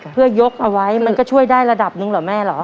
เพื่อยกเอาไว้มันก็ช่วยได้ระดับหนึ่งเหรอแม่เหรอ